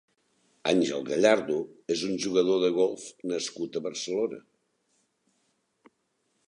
Ángel Gallardo és un jugador de golf nascut a Barcelona.